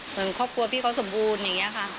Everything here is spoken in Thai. ครอบครัวพี่เขาสมบูรณ์อย่างนี้ค่ะ